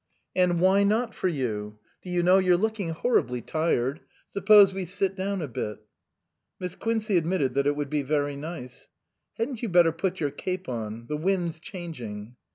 " And why not for you ? Do you know, you're looking horribly tired. Suppose we sit down a bit." Miss Quincey admitted that it would be very nice. "Hadn't you better put your cape on the wind's changing."